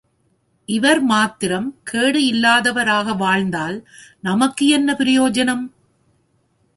இவர் மாத்திரம் கேடு இல்லாதவராக வாழ்ந்தால் நமக்கு என்ன பிரயோஜனம்?